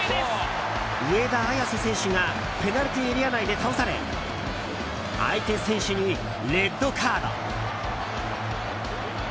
上田綺世選手がペナルティーエリア内で倒され相手選手にレッドカード。